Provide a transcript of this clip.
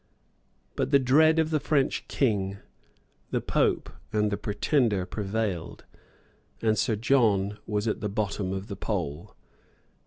But the dread of the French King, the Pope, and the Pretender, prevailed; and Sir John was at the bottom of the poll.